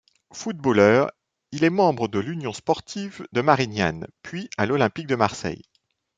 Footballeur, il est membre de l'Union sportive de Marignane, puis à l'Olympique de Marseille.